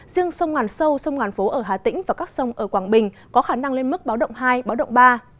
riêng sông ngàn sâu sông ngàn phố ở hà tĩnh và các sông ở quảng bình có khả năng lên mức báo động hai báo động ba